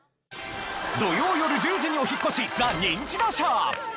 土曜よる１０時にお引っ越し『ザ・ニンチドショー』。